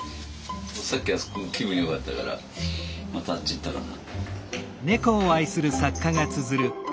さっきあそこ気分よかったからまたあっち行ったかな。